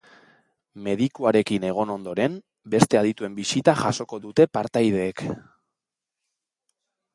Medikuarekin egon ondoren, beste adituen bisita jasoko dute partaideek.